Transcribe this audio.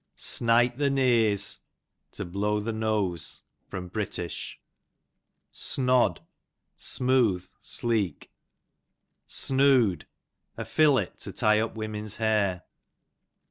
Snite the Nese, to bloiv the nose. Br. Snod, stnooth, sleek. Snoode, a fillet to tie up women's hair.